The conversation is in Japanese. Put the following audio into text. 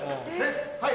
はい。